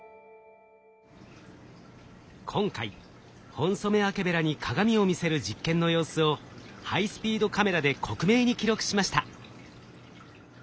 今回ホンソメワケベラに鏡を見せる実験の様子をハイスピードカメラで克明に記録しました。